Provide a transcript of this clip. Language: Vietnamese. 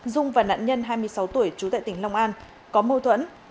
dung và nạn nhân hai mươi sáu tuổi trú tại tỉnh long an có mâu thuẫn